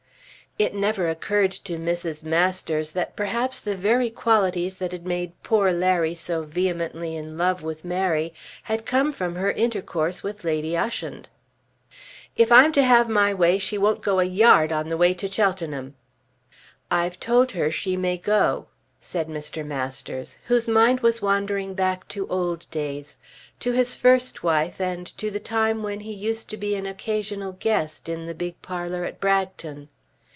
It never occurred to Mrs. Masters that perhaps the very qualities that had made poor Larry so vehemently in love with Mary had come from her intercourse with Lady Ushant. "If I'm to have my way she won't go a yard on the way to Cheltenham." "I've told her she may go," said Mr. Masters, whose mind was wandering back to old days, to his first wife, and to the time when he used to be an occasional guest in the big parlour at Bragton.